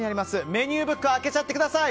メニューブック開けちゃってください。